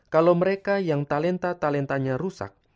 kalau mereka yang talenta talentanya rusak